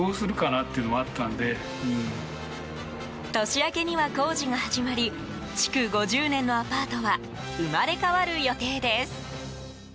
年明けには工事が始まり築５０年のアパートは生まれ変わる予定です。